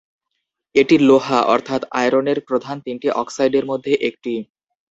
এটি লোহা অর্থাৎ আয়রনের প্রধান তিনটি অক্সাইডের মধ্যে একটি।